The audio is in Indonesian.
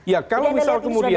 ya kalau misal kemudian